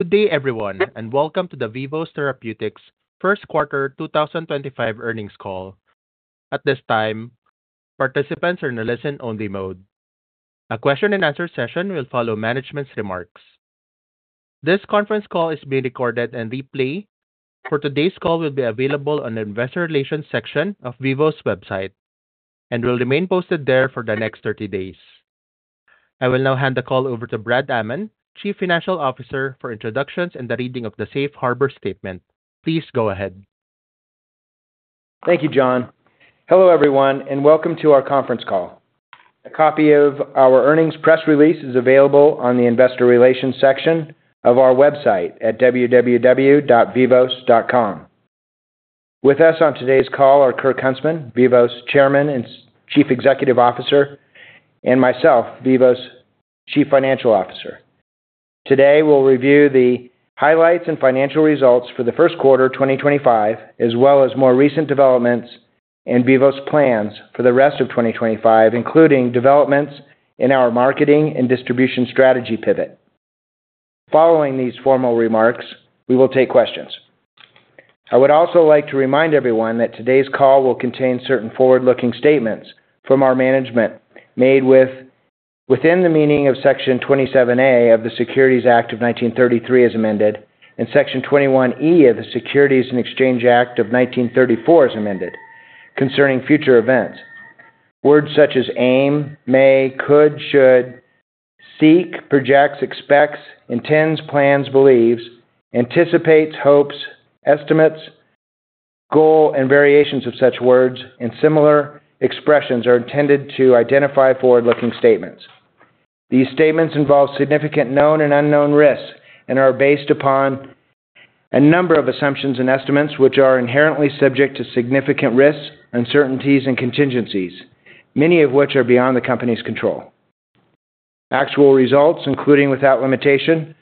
Good day, everyone, and welcome to the Vivos Therapeutics Q1 2025 earnings call. At this time, participants are in a listen-only mode. A Q&A session will follow management's remarks. This conference call is being recorded and replayed. For today's call, it will be available on the Investor Relations section of Vivos' website and will remain posted there for the next 30 days. I will now hand the call over to Brad Amman, Chief Financial Officer, for introductions and the reading of the Safe Harbor Statement. Please go ahead. Thank you, John. Hello, everyone, and welcome to our conference call. A copy of our earnings press release is available on the Investor Relations section of our website at www.vivos.com. With us on today's call are Kirk Huntsman, Vivos Chairman and Chief Executive Officer, and myself, Vivos Chief Financial Officer. Today, we'll review the highlights and financial results for Q1 2025, as well as more recent developments and Vivos' plans for the rest of 2025, including developments in our marketing and distribution strategy pivot. Following these formal remarks, we will take questions. I would also like to remind everyone that today's call will contain certain forward-looking statements from our management made within the meaning of Section 27A of the Securities Act of 1933 as amended and Section 21E of the Securities and Exchange Act of 1934 as amended concerning future events. Words such as aim, may, could, should, seek, projects, expects, intends, plans, believes, anticipates, hopes, estimates, goal, and variations of such words and similar expressions are intended to identify forward-looking statements. These statements involve significant known and unknown risks and are based upon a number of assumptions and estimates which are inherently subject to significant risks, uncertainties, and contingencies, many of which are beyond the company's control. Actual results, including without limitation,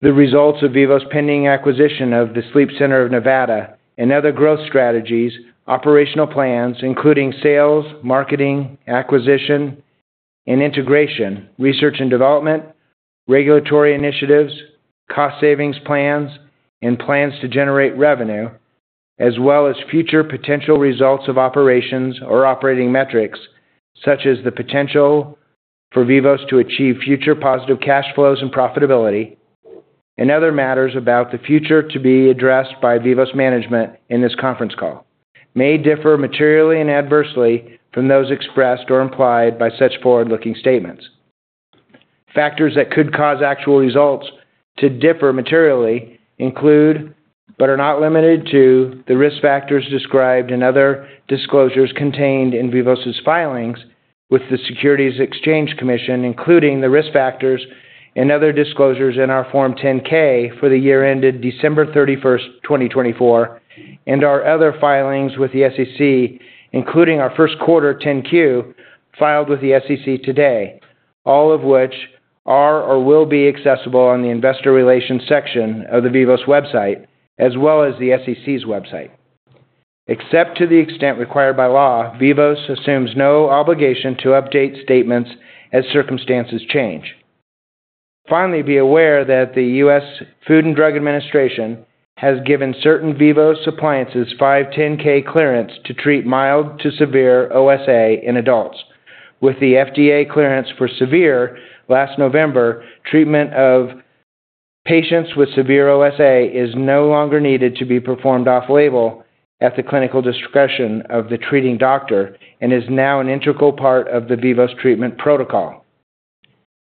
the results of Vivos' pending acquisition of the Sleep Center of Nevada and other growth strategies, operational plans including sales, marketing, acquisition and integration, research and development, regulatory initiatives, cost savings plans, and plans to generate revenue, as well as future potential results of operations or operating metrics such as the potential for Vivos to achieve future positive cash flows and profitability, and other matters about the future to be addressed by Vivos management in this conference call may differ materially and adversely from those expressed or implied by such forward-looking statements. Factors that could cause actual results to differ materially include but are not limited to the risk factors described in other disclosures contained in Vivos' filings with the Securities and Exchange Commission, including the risk factors and other disclosures in our Form 10-K for the year ended December 31, 2024, and our other filings with the SEC, including our Q1 10-Q filed with the SEC today, all of which are or will be accessible on the Investor Relations section of the Vivos website as well as the SEC's website. Except to the extent required by law, Vivos assumes no obligation to update statements as circumstances change. Finally, be aware that the U.S. Food and Drug Administration has given certain Vivos appliances 510(k) clearance to treat mild to severe OSA in adults. With the FDA clearance for severe last November, treatment of patients with severe OSA is no longer needed to be performed off-label at the clinical discretion of the treating doctor and is now an integral part of the Vivos treatment protocol.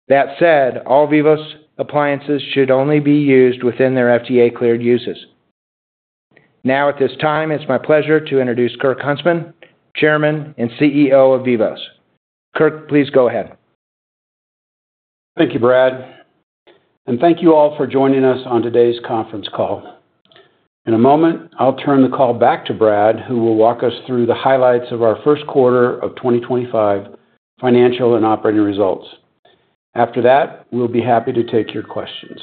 That said, all Vivos appliances should only be used within their FDA-cleared uses. Now, at this time, it's my pleasure to introduce Kirk Huntsman, Chairman and CEO of Vivos. Kirk, please go ahead. Thank you, Brad. And thank you all for joining us on today's conference call. In a moment, I'll turn the call back to Brad, who will walk us through the highlights of our Q1 of 2025 financial and operating results. After that, we'll be happy to take your questions.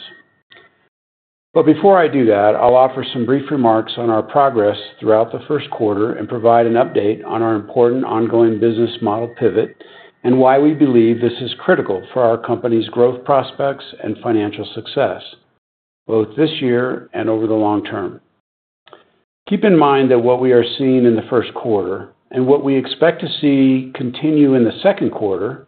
Before I do that, I'll offer some brief remarks on our progress throughout Q1 and provide an update on our important ongoing business model pivot and why we believe this is critical for our company's growth prospects and financial success both this year and over the long term. Keep in mind that what we are seeing in Q1 and what we expect to see continue in Q2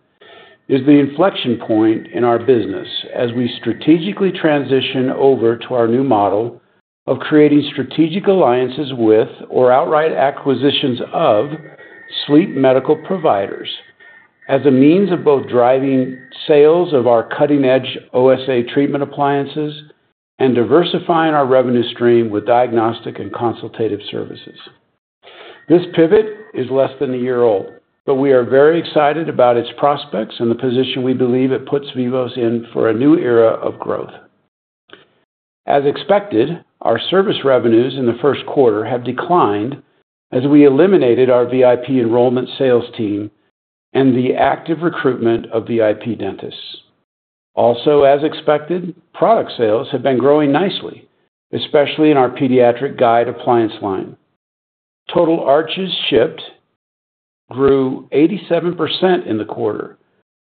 is the inflection point in our business as we strategically transition over to our new model of creating strategic alliances with or outright acquisitions of sleep medical providers as a means of both driving sales of our cutting-edge OSA treatment appliances and diversifying our revenue stream with diagnostic and consultative services. This pivot is less than a year old, but we are very excited about its prospects and the position we believe it puts Vivos in for a new era of growth. As expected, our service revenues in Q1 have declined as we eliminated our VIP enrollment sales team and the active recruitment of VIP dentists. Also, as expected, product sales have been growing nicely, especially in our pediatric guide appliance line. Total arches shipped grew 87% in Q1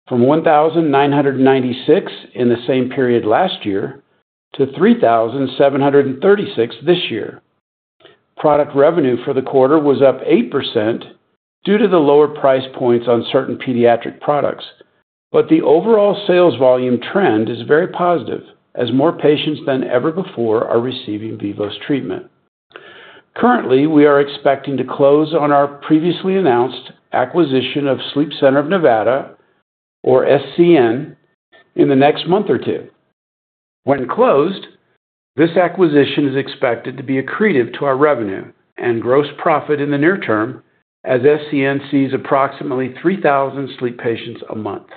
from 1,996 in the same period last year to 3,736 this year. Product revenue for Q1 was up 8% due to the lower price points on certain pediatric products, but the overall sales volume trend is very positive as more patients than ever before are receiving Vivos treatment. Currently, we are expecting to close on our previously announced acquisition of Sleep Center of Nevada, or SCN, in the next month or two. When closed, this acquisition is expected to be accretive to our revenue and gross profit in the near term as SCN sees approximately 3,000 sleep patients a month.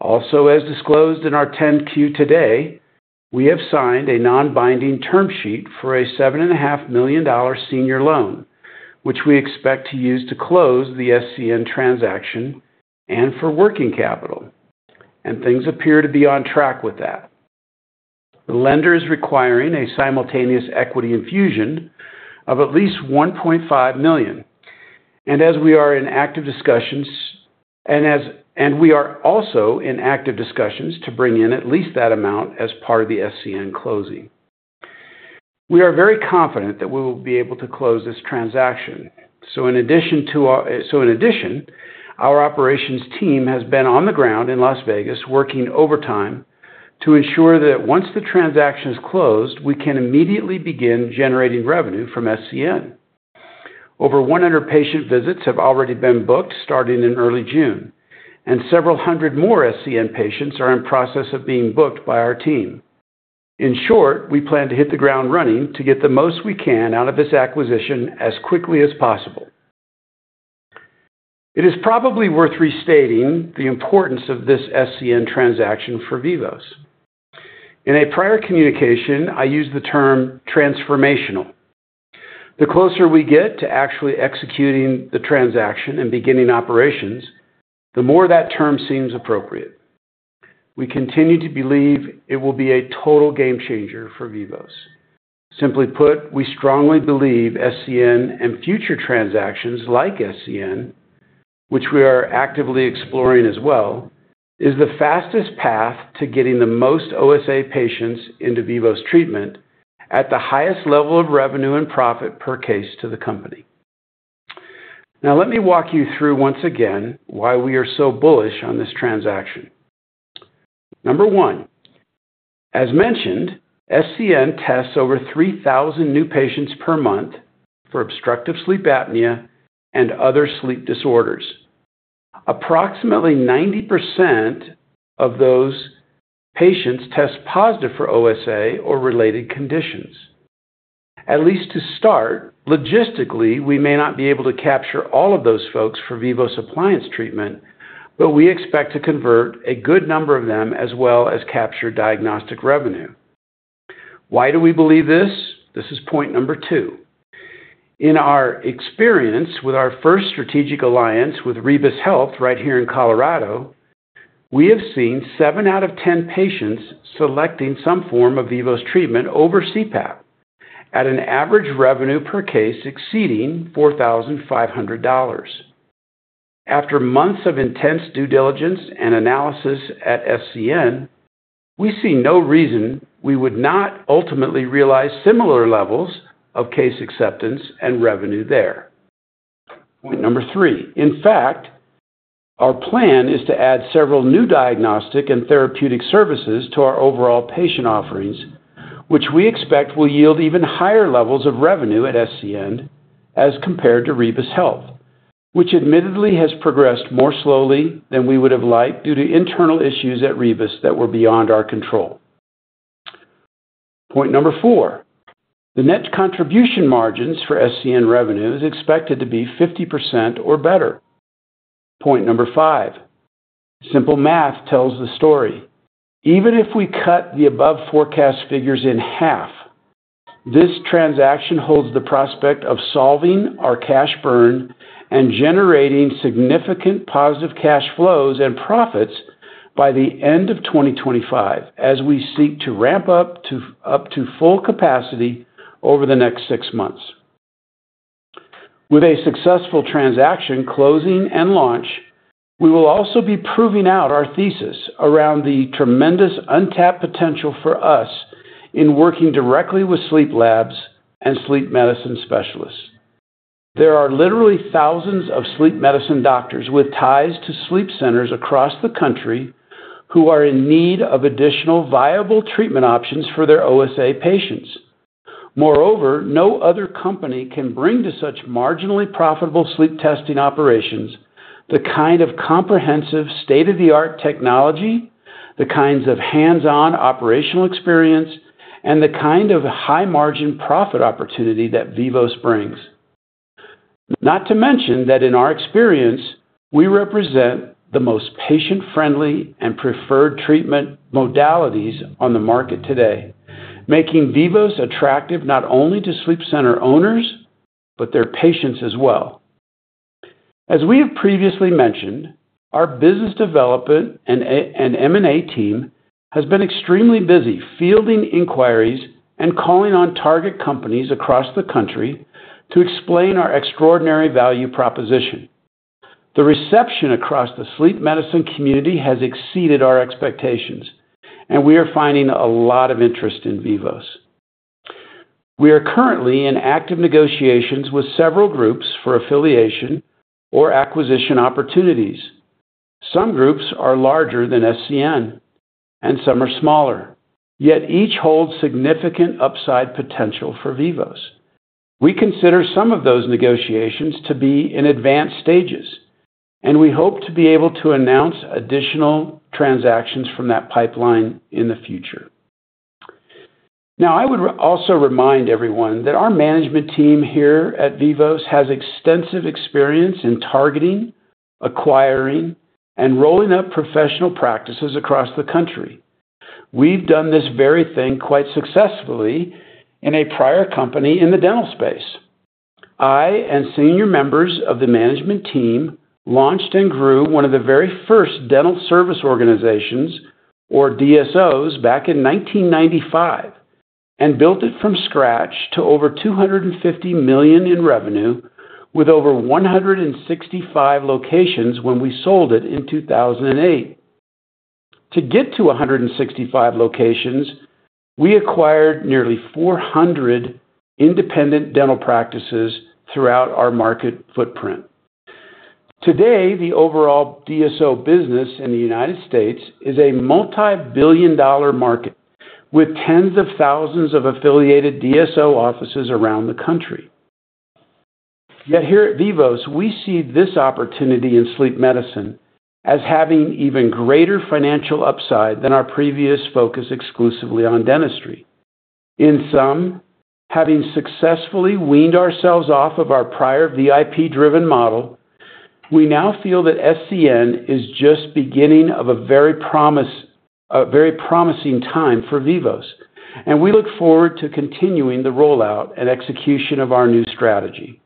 Also, as disclosed in our 10-Q today, we have signed a non-binding term sheet for a $7.5 million senior loan, which we expect to use to close the SCN transaction and for working capital, and things appear to be on track with that. The lender is requiring a simultaneous equity infusion of at least $1.5 million, and as we are in active discussions, and we are also in active discussions to bring in at least that amount as part of the SCN closing. We are very confident that we will be able to close this transaction. In addition, our operations team has been on the ground in Las Vegas working overtime to ensure that once the transaction is closed, we can immediately begin generating revenue from SCN. Over 100 patient visits have already been booked starting in early June, and several hundred more SCN patients are in process of being booked by our team. In short, we plan to hit the ground running to get the most we can out of this acquisition as quickly as possible. It is probably worth restating the importance of this SCN transaction for Vivos. In a prior communication, I used the term transformational. The closer we get to actually executing the transaction and beginning operations, the more that term seems appropriate. We continue to believe it will be a total game changer for Vivos. Simply put, we strongly believe SCN and future transactions like SCN, which we are actively exploring as well, is the fastest path to getting the most OSA patients into Vivos treatment at the highest level of revenue and profit per case to the company. Now, let me walk you through once again why we are so bullish on this transaction. Number one, as mentioned, SCN tests over 3,000 new patients per month for obstructive sleep apnea and other sleep disorders. Approximately 90% of those patients test positive for OSA or related conditions. At least to start, logistically, we may not be able to capture all of those folks for Vivos appliance treatment, but we expect to convert a good number of them as well as capture diagnostic revenue. Why do we believe this? This is point number two. In our experience with our first strategic alliance with Rebis Health right here in Colorado, we have seen seven out of ten patients selecting some form of Vivos treatment over CPAP at an average revenue per case exceeding $4,500. After months of intense due diligence and analysis at SCN, we see no reason we would not ultimately realize similar levels of case acceptance and revenue there. Point number three, in fact, our plan is to add several new diagnostic and therapeutic services to our overall patient offerings, which we expect will yield even higher levels of revenue at SCN as compared to Rebis Health, which admittedly has progressed more slowly than we would have liked due to internal issues at Rebis that were beyond our control. Point number four, the net contribution margins for SCN revenue is expected to be 50% or better. Point number five, simple math tells the story. Even if we cut the above forecast figures in half, this transaction holds the prospect of solving our cash burn and generating significant positive cash flows and profits by the end of 2025 as we seek to ramp up to full capacity over the next six months. With a successful transaction closing and launch, we will also be proving out our thesis around the tremendous untapped potential for us in working directly with sleep labs and sleep medicine specialists. There are literally thousands of sleep medicine doctors with ties to sleep centers across the country who are in need of additional viable treatment options for their OSA patients. Moreover, no other company can bring to such marginally profitable sleep testing operations the kind of comprehensive state-of-the-art technology, the kinds of hands-on operational experience, and the kind of high-margin profit opportunity that Vivos brings. Not to mention that in our experience, we represent the most patient-friendly and preferred treatment modalities on the market today, making Vivos attractive not only to sleep center owners, but their patients as well. As we have previously mentioned, our business development and M&A team has been extremely busy fielding inquiries and calling on target companies across the country to explain our extraordinary value proposition. The reception across the sleep medicine community has exceeded our expectations, and we are finding a lot of interest in Vivos. We are currently in active negotiations with several groups for affiliation or acquisition opportunities. Some groups are larger than SCN, and some are smaller, yet each holds significant upside potential for Vivos. We consider some of those negotiations to be in advanced stages, and we hope to be able to announce additional transactions from that pipeline in the future. Now, I would also remind everyone that our management team here at Vivos has extensive experience in targeting, acquiring, and rolling up professional practices across the country. We've done this very thing quite successfully in a prior company in the dental space. I and senior members of the management team launched and grew one of the very first dental service organizations, or DSOs, back in 1995 and built it from scratch to over $250 million in revenue with over 165 locations when we sold it in 2008. To get to 165 locations, we acquired nearly 400 independent dental practices throughout our market footprint. Today, the overall DSO business in the United States is a multi-billion dollar market with tens of thousands of affiliated DSO offices around the country. Yet here at Vivos, we see this opportunity in sleep medicine as having even greater financial upside than our previous focus exclusively on dentistry. In sum, having successfully weaned ourselves off of our prior VIP-driven model, we now feel that SCN is just the beginning of a very promising time for Vivos, and we look forward to continuing the rollout and execution of our new strategy.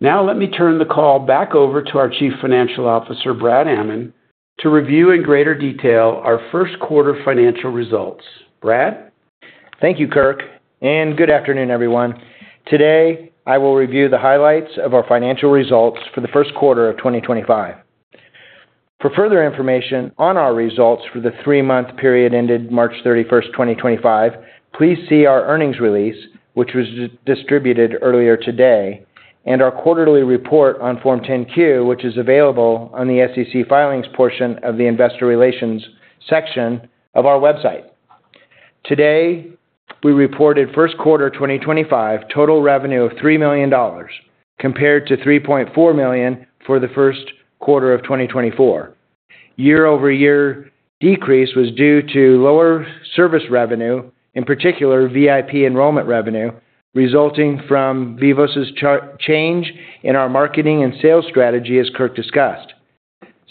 Now, let me turn the call back over to our Chief Financial Officer, Brad Amman, to review in greater detail our Q1 financial results. Brad? Thank you, Kirk. Good afternoon, everyone. Today, I will review the highlights of our financial results for Q1 of 2025. For further information on our results for the three-month period ended March 31, 2025, please see our earnings release, which was distributed earlier today, and our Quarterly report on Form 10-Q, which is available on the SEC filings portion of the investor relations section of our website. Today, we reported Q1 2025 total revenue of $3 million compared to $3.4 million for Q1 of 2024. The year-over-year decrease was due to lower service revenue, in particular VIP enrollment revenue, resulting from Vivos' change in our marketing and sales strategy, as Kirk discussed.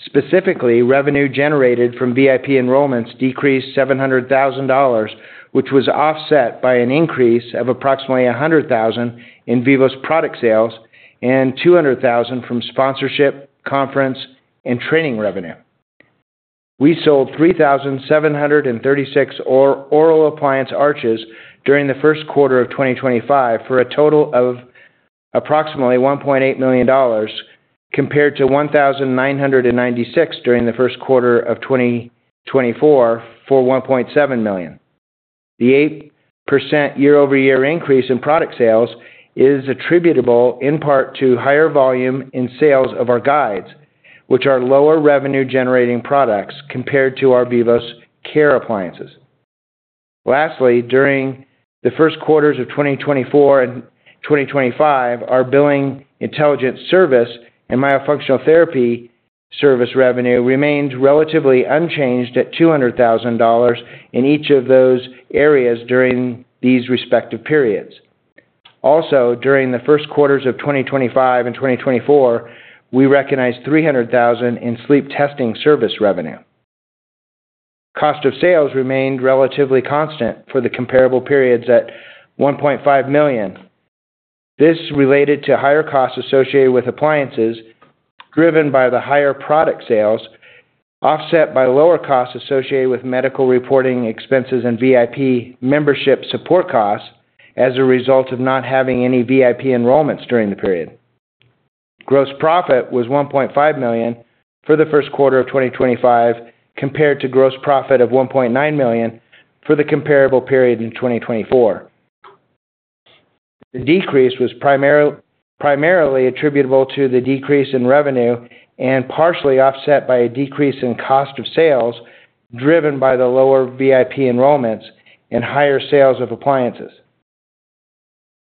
Specifically, revenue generated from VIP enrollments decreased $700,000, which was offset by an increase of approximately $100,000 in Vivos product sales and $200,000 from sponsorship, conference, and training revenue. We sold 3,736 oral appliance arches during Q1 of 2025 for a total of approximately $1.8 million compared to 1,996 during Q1 of 2024 for $1.7 million. The 8% year-over-year increase in product sales is attributable in part to higher volume in sales of our Guides, which are lower revenue-generating products compared to our Vivos care appliances. Lastly, during Q1 of 2024 and 2025, our billing intelligence service and myofunctional therapy service revenue remained relatively unchanged at $200,000 in each of those areas during these respective periods. Also, during Q1 of 2025 and 2024, we recognized $300,000 in sleep testing service revenue. Cost of sales remained relatively constant for the comparable periods at $1.5 million. This related to higher costs associated with appliances driven by the higher product sales, offset by lower costs associated with medical reporting expenses and VIP membership support costs as a result of not having any VIP enrollments during the period. Gross profit was $1.5 million for Q1 of 2025 compared to gross profit of $1.9 million for the comparable period in 2024. The decrease was primarily attributable to the decrease in revenue and partially offset by a decrease in cost of sales driven by the lower VIP enrollments and higher sales of appliances.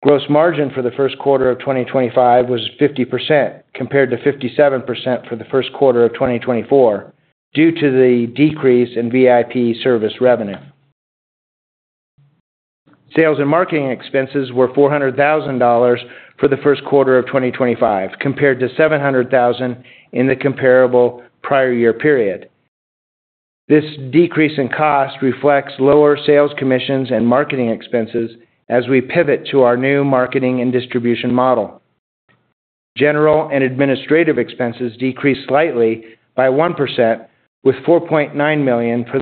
Gross margin for Q1 of 2025 was 50% compared to 57% for Q1 of 2024 due to the decrease in VIP service revenue. Sales and marketing expenses were $400,000 for Q1 of 2025 compared to $700,000 in the comparable prior year period. This decrease in cost reflects lower sales commissions and marketing expenses as we pivot to our new marketing and distribution model. General and administrative expenses decreased slightly by 1% with $4.9 million for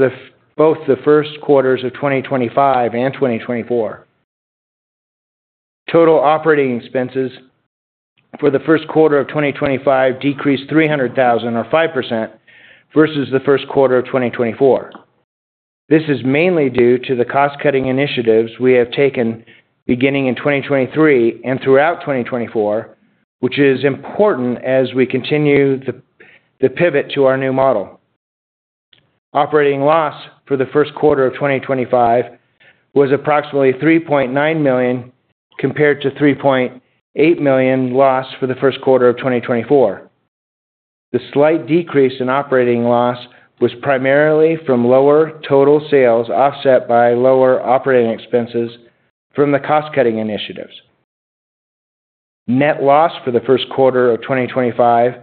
both Q1 of 2025 and 2024. Total operating expenses for Q1 of 2025 decreased $300,000 or 5% versus Q1 of 2024. This is mainly due to the cost-cutting initiatives we have taken beginning in 2023 and throughout 2024, which is important as we continue the pivot to our new model. Operating loss for Q1 of 2025 was approximately $3.9 million compared to $3.8 million loss for Q1 of 2024. The slight decrease in operating loss was primarily from lower total sales offset by lower operating expenses from the cost-cutting initiatives. Net loss for Q1 of 2025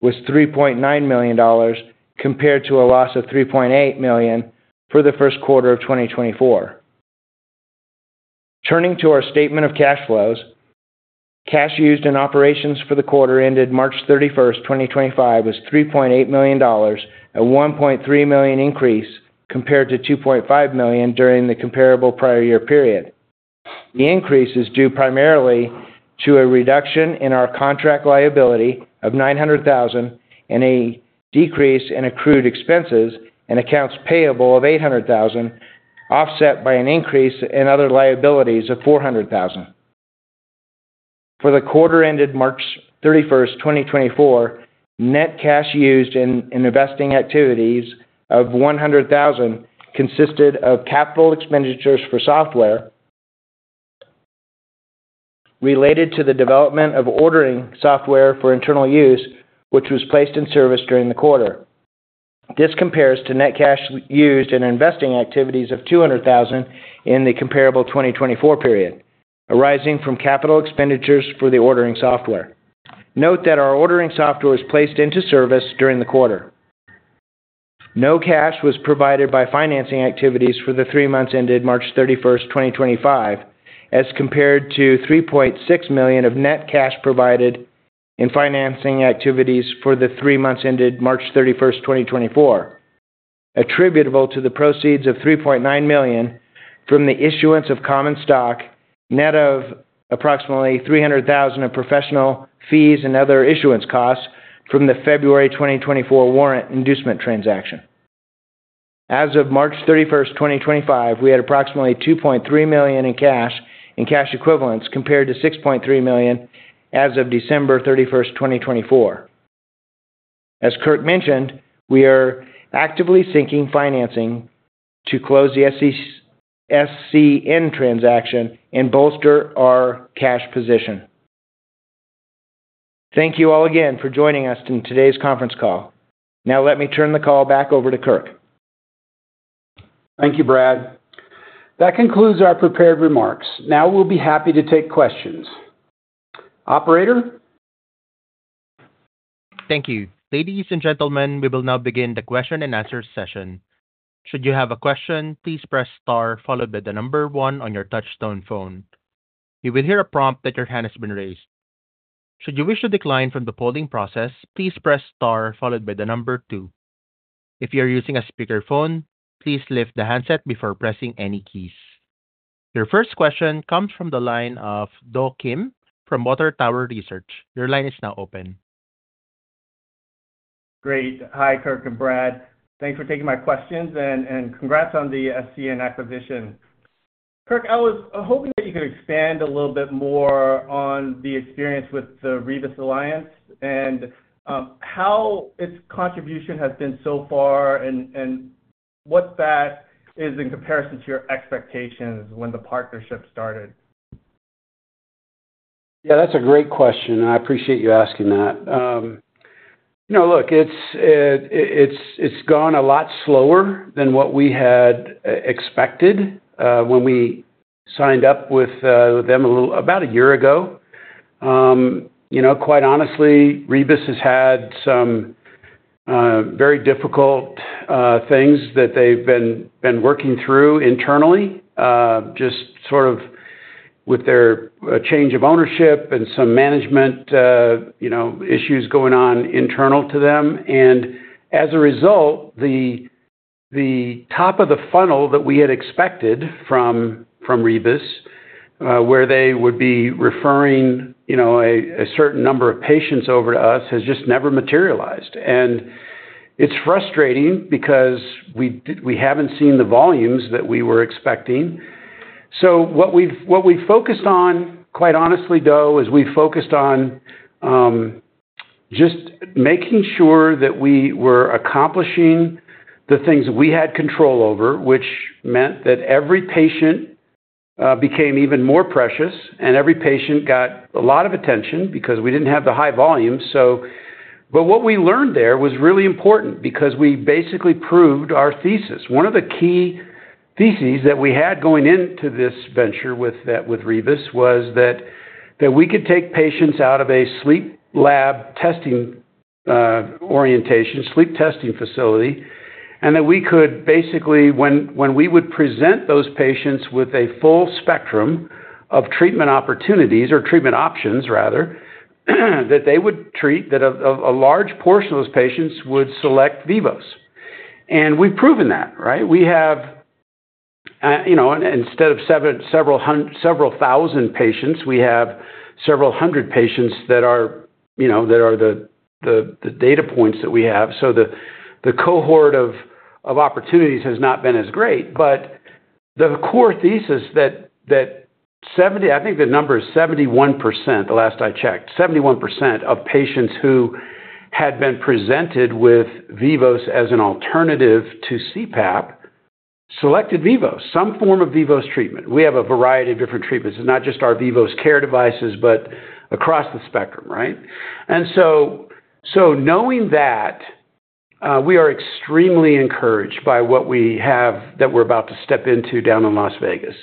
was $3.9 million compared to a loss of $3.8 million for Q1 of 2024. Turning to our statement of cash flows, cash used in operations for the Quarter ended March 31, 2025, was $3.8 million, a $1.3 million increase compared to $2.5 million during the comparable prior year period. The increase is due primarily to a reduction in our contract liability of $900,000 and a decrease in accrued expenses and accounts payable of $800,000, offset by an increase in other liabilities of $400,000. For the Quarter ended March 31, 2024, net cash used in investing activities of $100,000 consisted of capital expenditures for software related to the development of ordering software for internal use, which was placed in service during the Quarter. This compares to net cash used in investing activities of $200,000 in the comparable 2024 period, arising from capital expenditures for the ordering software. Note that our ordering software was placed into service during the Quarter. No cash was provided by financing activities for the three months ended March 31, 2025, as compared to $3.6 million of net cash provided in financing activities for the three months ended March 31, 2024, attributable to the proceeds of $3.9 million from the issuance of common stock, net of approximately $300,000 of professional fees and other issuance costs from the February 2024 warrant inducement transaction. As of March 31, 2025, we had approximately $2.3 million in cash and cash equivalents compared to $6.3 million as of December 31, 2024. As Kirk mentioned, we are actively seeking financing to close the Sleep Center of Nevada transaction and bolster our cash position. Thank you all again for joining us in today's conference call. Now, let me turn the call back over to Kirk. Thank you, Brad. That concludes our prepared remarks. Now, we'll be happy to take questions. Operator? Thank you. Ladies and gentlemen, we will now begin the question and answer session. Should you have a question, please press star followed by the number one on your touch-tone phone. You will hear a prompt that your hand has been raised. Should you wish to decline from the polling process, please press star followed by the number two. If you are using a speakerphone, please lift the handset before pressing any keys. Your first question comes from the line of Do Kim from Water Tower Research. Your line is now open. Great. Hi, Kirk and Brad. Thanks for taking my questions and congrats on the SCN acquisition. Kirk, I was hoping that you could expand a little bit more on the experience with the Rebis Alliance and how its contribution has been so far and what that is in comparison to your expectations when the partnership started. Yeah, that's a great question, and I appreciate you asking that. Look, it's gone a lot slower than what we had expected when we signed up with them about a year ago. Quite honestly, Rebis has had some very difficult things that they've been working through internally, just sort of with their change of ownership and some management issues going on internal to them. As a result, the top of the funnel that we had expected from Rebis, where they would be referring a certain number of patients over to us, has just never materialized. It's frustrating because we haven't seen the volumes that we were expecting. What we focused on, quite honestly, though, is we focused on just making sure that we were accomplishing the things we had control over, which meant that every patient became even more precious and every patient got a lot of attention because we did not have the high volume. What we learned there was really important because we basically proved our thesis. One of the key theses that we had going into this venture with Vivos was that we could take patients out of a sleep lab testing orientation, sleep testing facility, and that we could basically, when we would present those patients with a full spectrum of treatment opportunities or treatment options, rather, that they would treat, that a large portion of those patients would select Vivos. We have proven that, right? Instead of several thousand patients, we have several hundred patients that are the data points that we have. The cohort of opportunities has not been as great. The core thesis that I think the number is 71%, the last I checked, 71% of patients who had been presented with Vivos as an alternative to CPAP selected Vivos, some form of Vivos treatment. We have a variety of different treatments. It's not just our Vivos care devices, but across the spectrum, right? Knowing that, we are extremely encouraged by what we have that we're about to step into down in Las Vegas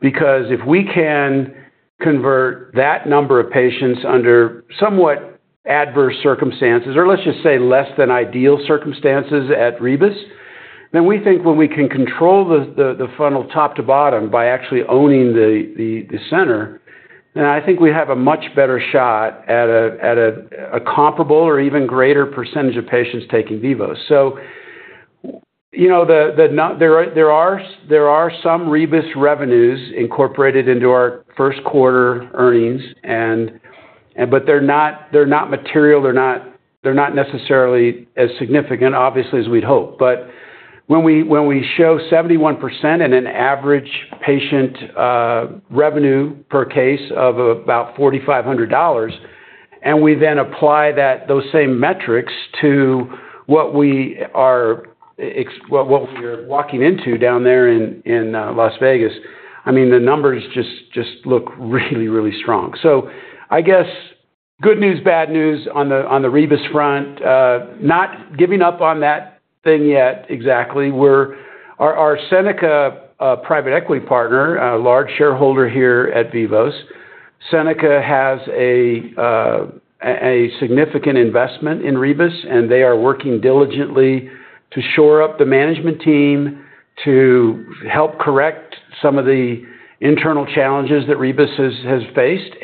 because if we can convert that number of patients under somewhat adverse circumstances, or let's just say less than ideal circumstances at Vivos, then we think when we can control the funnel top to bottom by actually owning the center, we have a much better shot at a comparable or even greater percentage of patients taking Vivos. There are some Vivos revenues incorporated into our First Quarter earnings, but they're not material. They're not necessarily as significant, obviously, as we'd hoped. When we show 71% and an average patient revenue per case of about $4,500, and we then apply those same metrics to what we are walking into down there in Las Vegas, the numbers just look really, really strong. I guess good news, bad news on the Rebis front. Not giving up on that thing yet, exactly. Our Seneca private equity partner, a large shareholder here at Vivos, Seneca has a significant investment in Rebis, and they are working diligently to shore up the management team, to help correct some of the internal challenges that Rebis has faced.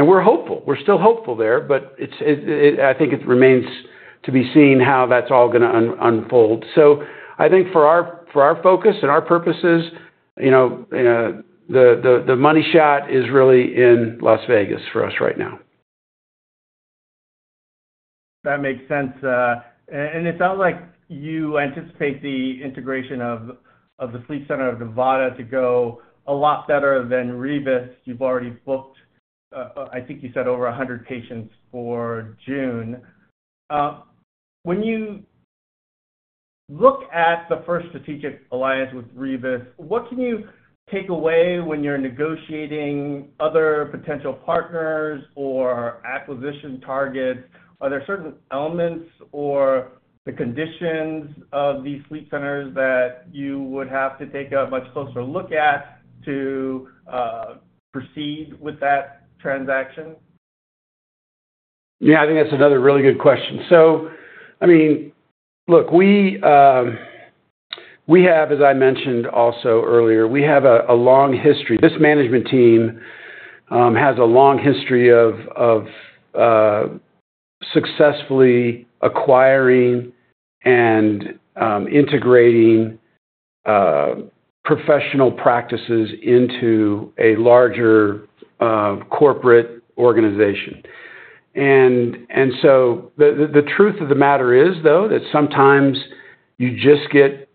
We're hopeful. We're still hopeful there, but I think it remains to be seen how that's all going to unfold. I think for our focus and our purposes, the money shot is really in Las Vegas for us right now. That makes sense. It sounds like you anticipate the integration of the Sleep Center of Nevada to go a lot better than Rebis. You've already booked, I think you said, over 100 patients for June. When you look at the first strategic alliance with Rebis, what can you take away when you're negotiating other potential partners or acquisition targets? Are there certain elements or the conditions of these sleep centers that you would have to take a much closer look at to proceed with that transaction? Yeah, I think that's another really good question. I mean, look, we have, as I mentioned also earlier, we have a long history. This management team has a long history of successfully acquiring and integrating professional practices into a larger corporate organization. The truth of the matter is, though, that sometimes you just get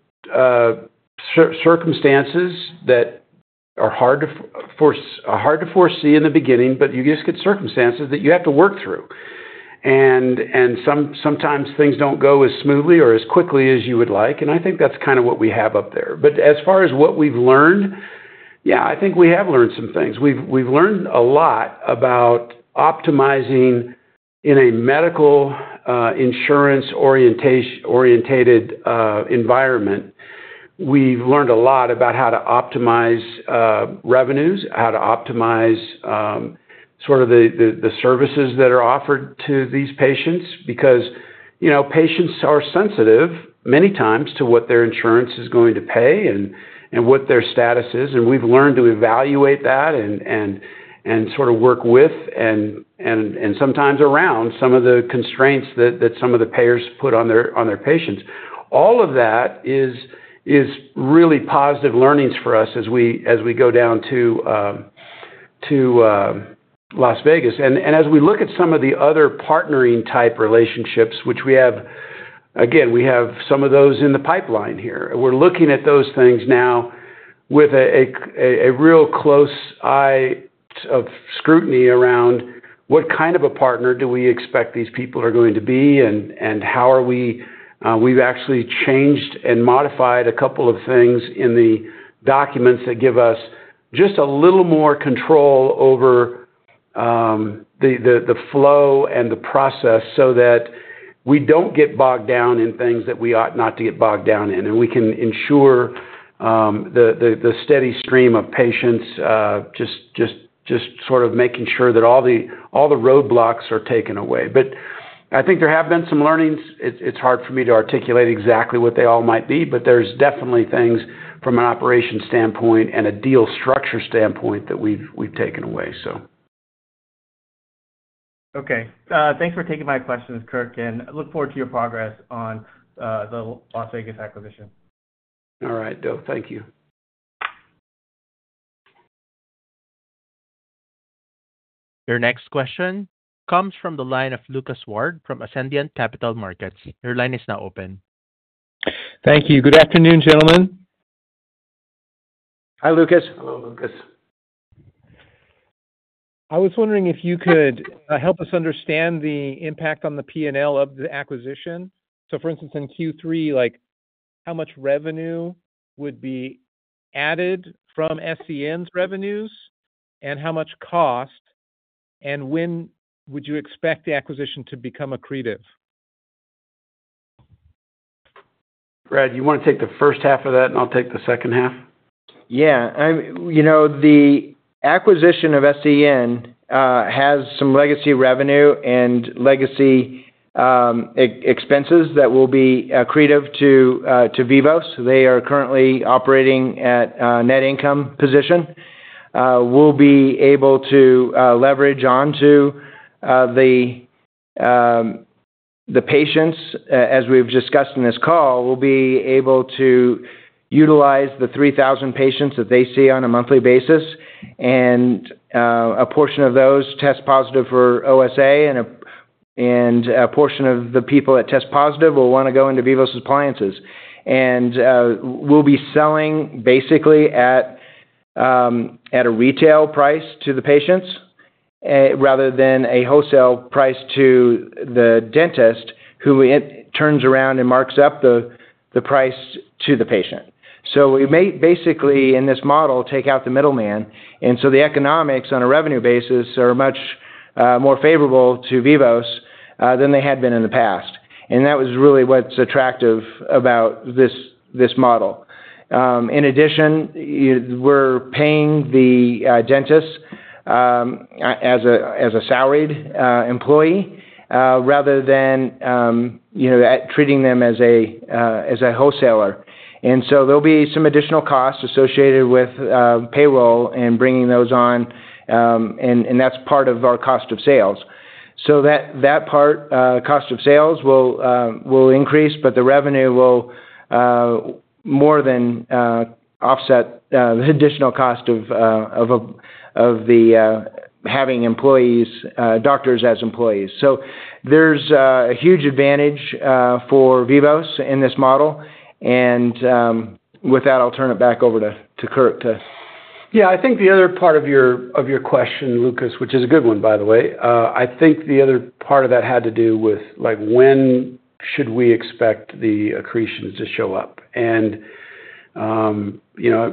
circumstances that are hard to foresee in the beginning, but you just get circumstances that you have to work through. Sometimes things don't go as smoothly or as quickly as you would like. I think that's kind of what we have up there. As far as what we've learned, yeah, I think we have learned some things. We've learned a lot about optimizing in a medical insurance-orientated environment. We've learned a lot about how to optimize revenues, how to optimize sort of the services that are offered to these patients because patients are sensitive many times to what their insurance is going to pay and what their status is. We've learned to evaluate that and sort of work with and sometimes around some of the constraints that some of the payers put on their patients. All of that is really positive learnings for us as we go down to Las Vegas. As we look at some of the other partnering type relationships, which we have, again, we have some of those in the pipeline here. We're looking at those things now with a real close eye of scrutiny around what kind of a partner do we expect these people are going to be and how are we, we've actually changed and modified a couple of things in the documents that give us just a little more control over the flow and the process so that we don't get bogged down in things that we ought not to get bogged down in. We can ensure the steady stream of patients, just sort of making sure that all the roadblocks are taken away. I think there have been some learnings. It's hard for me to articulate exactly what they all might be, but there's definitely things from an operation standpoint and a deal structure standpoint that we've taken away, so. Okay. Thanks for taking my questions, Kirk, and look forward to your progress on the Las Vegas acquisition. All right, Do. Thank you. Your next question comes from the line of Lucas Ward from Ascendiant Capital Markets. Your line is now open. Thank you. Good afternoon, gentlemen. Hi, Lucas. Hello, Lucas. I was wondering if you could help us understand the impact on the P&L of the acquisition. For instance, in Q3, how much revenue would be added from SCN's revenues and how much cost, and when would you expect the acquisition to become accretive? Brad, you want to take the first half of that, and I'll take the second half? Yeah. The acquisition of SCN has some legacy revenue and legacy expenses that will be accretive to Vivos. They are currently operating at a net income position. We'll be able to leverage onto the patients, as we've discussed in this call, we'll be able to utilize the 3,000 patients that they see on a monthly basis. A portion of those test positive for OSA, and a portion of the people that test positive will want to go into Vivos Appliances. We'll be selling basically at a retail price to the patients rather than a wholesale price to the dentist who turns around and marks up the price to the patient. We may basically, in this model, take out the middleman. The economics on a revenue basis are much more favorable to Vivos than they had been in the past. That was really what's attractive about this model. In addition, we're paying the dentist as a salaried employee rather than treating them as a wholesaler. There will be some additional costs associated with payroll and bringing those on, and that's part of our cost of sales. That part, cost of sales, will increase, but the revenue will more than offset the additional cost of having doctors as employees. There is a huge advantage for Vivos in this model. With that, I'll turn it back over to Kirk to. Yeah, I think the other part of your question, Lucas, which is a good one, by the way, I think the other part of that had to do with when should we expect the accretions to show up.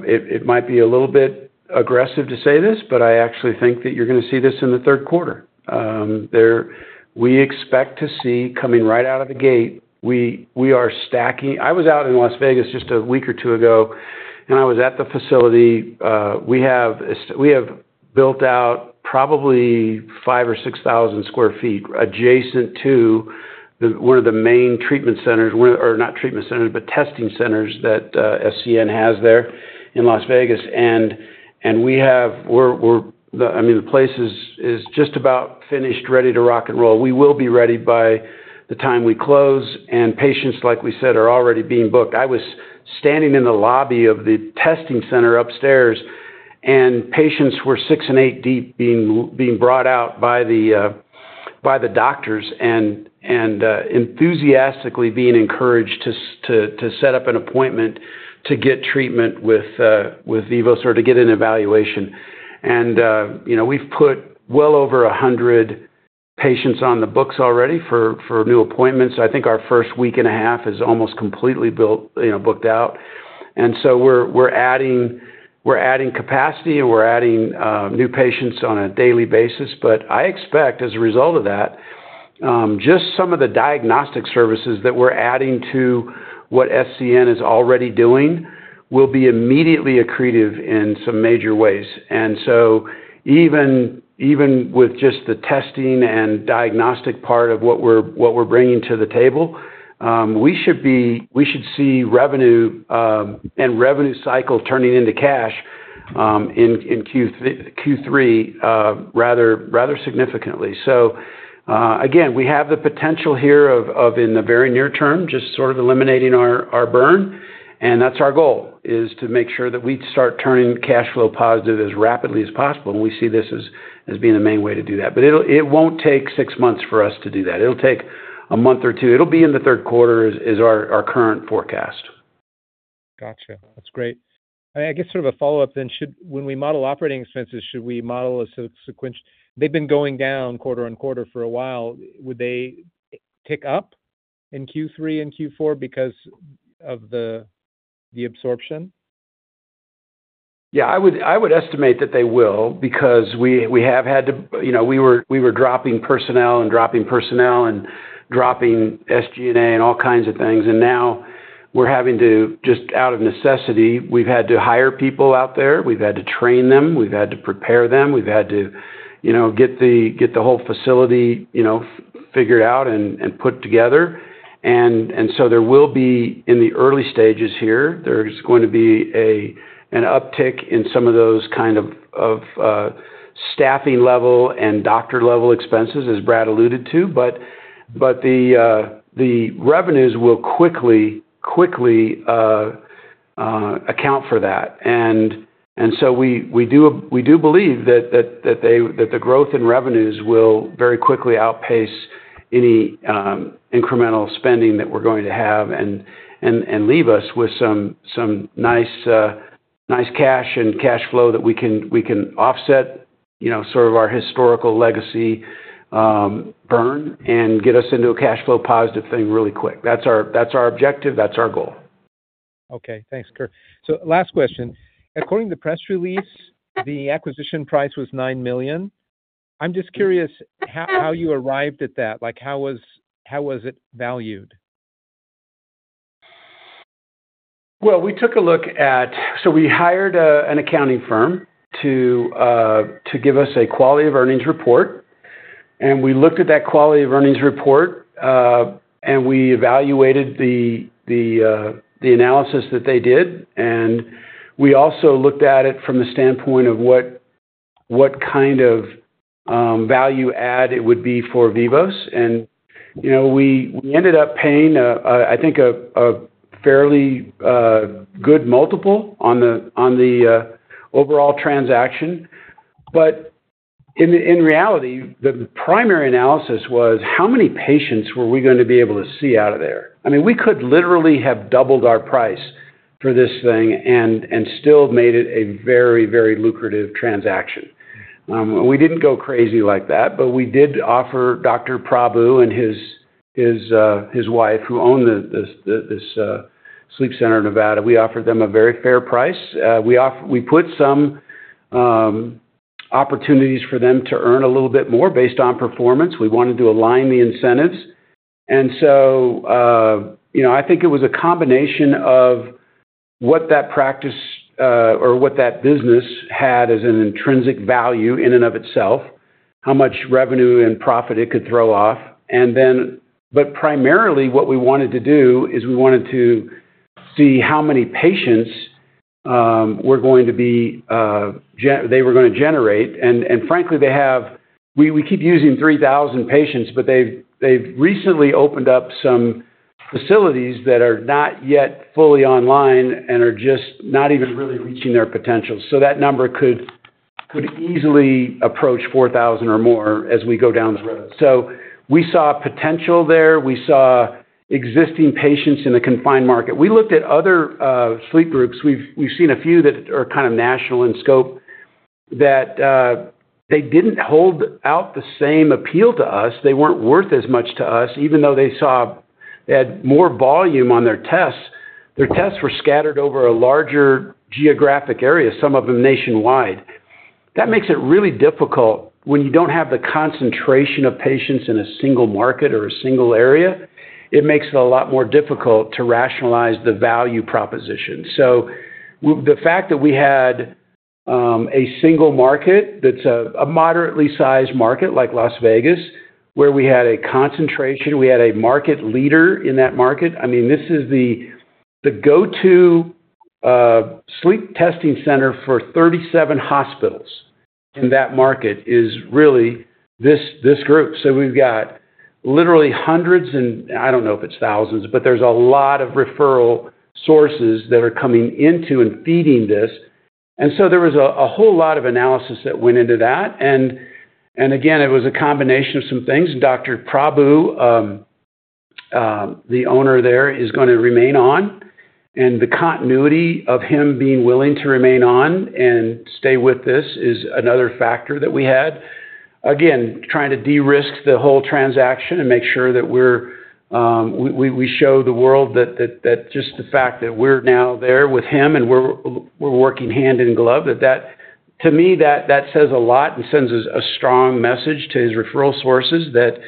It might be a little bit aggressive to say this, but I actually think that you're going to see this in the Third Quarter. We expect to see coming right out of the gate. I was out in Las Vegas just a week or two ago, and I was at the facility. We have built out probably 5,000 or 6,000 sq ft adjacent to one of the main treatment centers, or not treatment centers, but testing centers that Sleep Center of Nevada has there in Las Vegas. I mean, the place is just about finished, ready to rock and roll. We will be ready by the time we close. Patients, like we said, are already being booked. I was standing in the lobby of the testing center upstairs, and patients were six and eight deep being brought out by the doctors and enthusiastically being encouraged to set up an appointment to get treatment with Vivos or to get an evaluation. We have put well over 100 patients on the books already for new appointments. I think our first week and a half is almost completely booked out. We are adding capacity, and we are adding new patients on a daily basis. I expect, as a result of that, just some of the diagnostic services that we are adding to what Sleep Center of Nevada is already doing will be immediately accretive in some major ways. Even with just the testing and diagnostic part of what we're bringing to the table, we should see revenue and revenue cycle turning into cash in Q3 rather significantly. We have the potential here of, in the very near term, just sort of eliminating our burn. That's our goal, to make sure that we start turning cash flow positive as rapidly as possible. We see this as being the main way to do that. It will not take six months for us to do that. It will take a month or two. It will be in the Third Quarter, is our current forecast. Gotcha. That's great. I guess sort of a follow-up then. When we model operating expenses, should we model a sequential? They've been going down Quarter on Quarter for a while. Would they tick up in Q3 and Q4 because of the absorption? Yeah, I would estimate that they will because we have had to, we were dropping personnel and dropping personnel and dropping SG&A and all kinds of things. Now we're having to, just out of necessity, we've had to hire people out there. We've had to train them. We've had to prepare them. We've had to get the whole facility figured out and put together. There will be, in the early stages here, there's going to be an uptick in some of those kind of staffing level and doctor level expenses, as Brad alluded to. The revenues will quickly account for that. We do believe that the growth in revenues will very quickly outpace any incremental spending that we're going to have and leave us with some nice cash and cash flow that we can offset sort of our historical legacy burn and get us into a cash flow positive thing really quick. That's our objective. That's our goal. Okay. Thanks, Kirk. Last question. According to the press release, the acquisition price was $9 million. I'm just curious how you arrived at that. How was it valued? We took a look at, so we hired an accounting firm to give us a quality of earnings report. We looked at that quality of earnings report, and we evaluated the analysis that they did. We also looked at it from the standpoint of what kind of value add it would be for Vivos. We ended up paying, I think, a fairly good multiple on the overall transaction. In reality, the primary analysis was, how many patients were we going to be able to see out of there? I mean, we could literally have doubled our price for this thing and still made it a very, very lucrative transaction. We did not go crazy like that, but we did offer Dr. Prabu and his wife, who own this sleep center in Nevada, a very fair price. We put some opportunities for them to earn a little bit more based on performance. We wanted to align the incentives. I think it was a combination of what that practice or what that business had as an intrinsic value in and of itself, how much revenue and profit it could throw off. Primarily, what we wanted to do is we wanted to see how many patients they were going to generate. Frankly, we keep using 3,000 patients, but they've recently opened up some facilities that are not yet fully online and are just not even really reaching their potential. That number could easily approach 4,000 or more as we go down the road. We saw potential there. We saw existing patients in the confined market. We looked at other sleep groups. We've seen a few that are kind of national in scope that they didn't hold out the same appeal to us. They weren't worth as much to us, even though they saw they had more volume on their tests. Their tests were scattered over a larger geographic area, some of them nationwide. That makes it really difficult when you don't have the concentration of patients in a single market or a single area. It makes it a lot more difficult to rationalize the value proposition. The fact that we had a single market that's a moderately sized market like Las Vegas, where we had a concentration, we had a market leader in that market. I mean, this is the go-to sleep testing center for 37 hospitals in that market is really this group. We've got literally hundreds, and I don't know if it's thousands, but there's a lot of referral sources that are coming into and feeding this. There was a whole lot of analysis that went into that. Again, it was a combination of some things. Dr. Prabu, the owner there, is going to remain on. The continuity of him being willing to remain on and stay with this is another factor that we had. Again, trying to de-risk the whole transaction and make sure that we show the world that just the fact that we're now there with him and we're working hand in glove, to me, that says a lot and sends a strong message to his referral sources that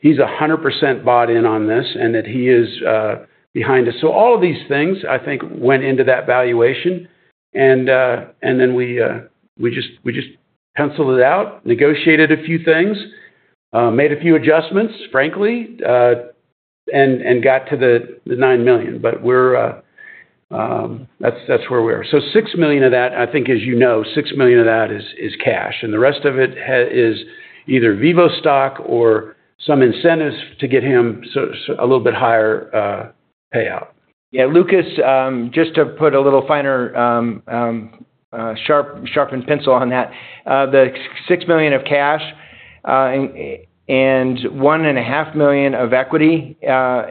he's 100% bought in on this and that he is behind us. All of these things, I think, went into that valuation. We just penciled it out, negotiated a few things, made a few adjustments, frankly, and got to the $9 million. That is where we are. $6 million of that, I think, as you know, $6 million of that is cash. The rest of it is either Vivos stock or some incentives to get him a little bit higher payout. Yeah, Lucas, just to put a little finer, sharpened pencil on that, the $6 million of cash and $1.5 million of equity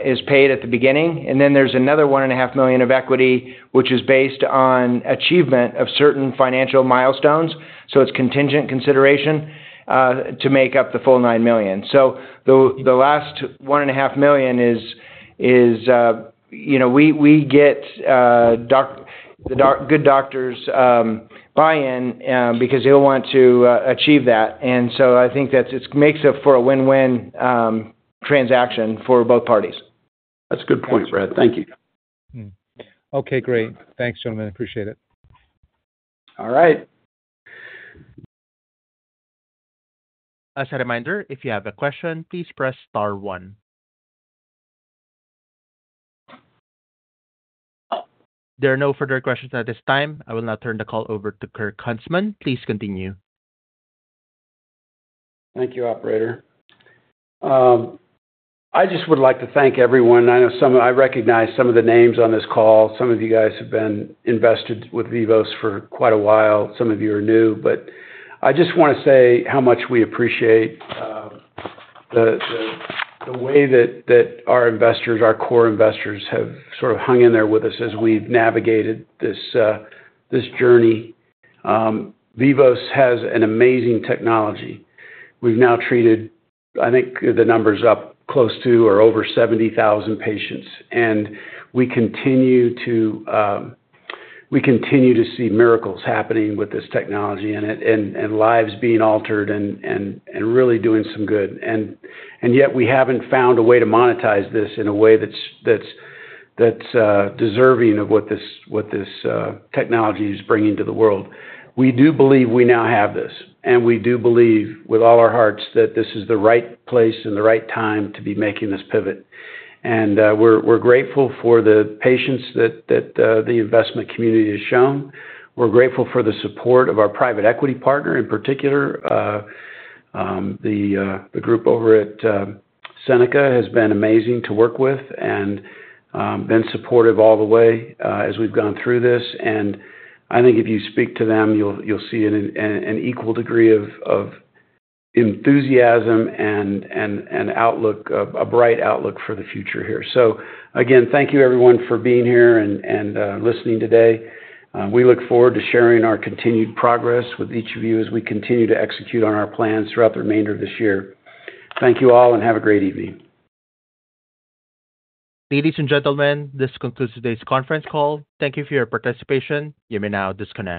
is paid at the beginning. Then there is another $1.5 million of equity, which is based on achievement of certain financial milestones. It is contingent consideration to make up the full $9 million. The last $1.5 million is we get good doctors' buy-in because they will want to achieve that. I think that it makes for a win-win transaction for both parties. That's a good point, Brad. Thank you. Okay. Great. Thanks, gentlemen. Appreciate it. All right. As a reminder, if you have a question, please press star one. There are no further questions at this time. I will now turn the call over to Kirk Huntsman. Please continue. Thank you, Operator. I just would like to thank everyone. I recognize some of the names on this call. Some of you guys have been invested with Vivos for quite a while. Some of you are new. I just want to say how much we appreciate the way that our investors, our core investors, have sort of hung in there with us as we've navigated this journey. Vivos has an amazing technology. We've now treated, I think, the number is up close to or over 70,000 patients. We continue to see miracles happening with this technology and lives being altered and really doing some good. Yet, we haven't found a way to monetize this in a way that's deserving of what this technology is bringing to the world. We do believe we now have this. We do believe with all our hearts that this is the right place and the right time to be making this pivot. We are grateful for the patience that the investment community has shown. We are grateful for the support of our private equity partner in particular. The group over at Seneca has been amazing to work with and has been supportive all the way as we have gone through this. I think if you speak to them, you will see an equal degree of enthusiasm and a bright outlook for the future here. Again, thank you, everyone, for being here and listening today. We look forward to sharing our continued progress with each of you as we continue to execute on our plans throughout the remainder of this year. Thank you all, and have a great evening. Ladies and gentlemen, this concludes today's conference call. Thank you for your participation. You may now disconnect.